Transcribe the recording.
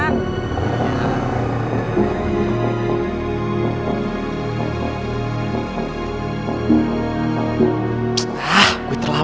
nah itu ya